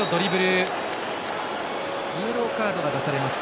イエローカードが出されました。